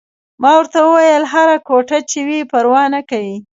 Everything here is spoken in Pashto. ما ورته وویل: هره کوټه چې وي، پروا نه کوي.